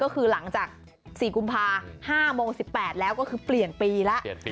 ก็คือหลังจาก๔กุมภา๕โมง๑๘แล้วก็คือเปลี่ยนปีแล้ว